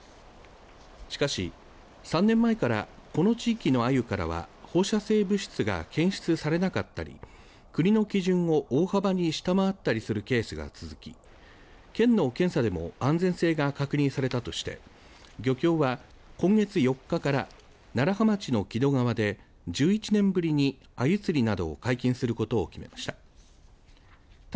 しかし、３年前からこの地域のアユからは放射性物質が検出されなかったり国の基準を大幅に下回ったりするケースが続き県の検査でも安全性が確認されたとして漁協は今月４日から楢葉町の木戸川で１１年ぶりに、アユ釣りなどを解禁することを決めました。